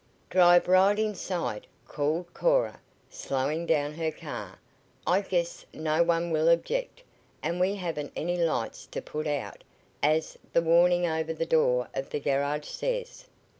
"Drive right inside," called Cora, slowing down her car. "I guess no one will object, and we haven't any lights to put out, as the warning over the door of the garage says."